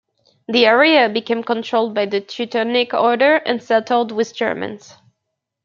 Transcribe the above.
The area became controlled by the Teutonic Order and settled with Germans.